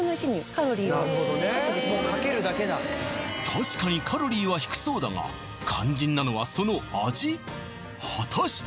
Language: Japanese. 確かにカロリーは低そうだが肝心なのはその味果たして？